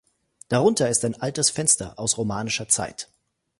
Darunter ist ein altes Fenster aus romanischer Zeit.